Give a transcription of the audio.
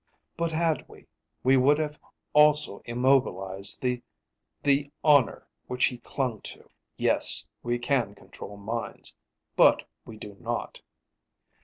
But had we, we would have also immobilized the the honor which he clung to. Yes, we can control minds, but we do not."